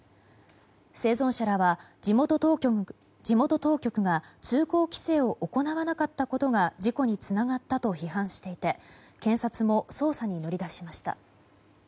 生存者らは地元当局が通行規制を行わなかったことが事故につながったと批判していて検察も捜査に乗り出しました。